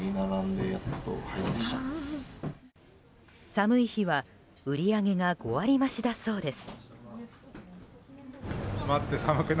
寒い日は売り上げが５割増しだそうです。